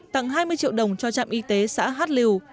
tặng hai mươi triệu đồng cho trạm y tế xã hát liều